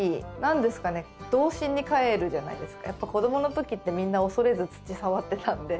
やっぱ子どものときってみんな恐れず土触ってたんで。